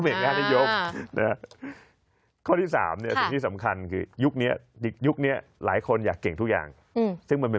เปลี่ยนค่านิยมนะ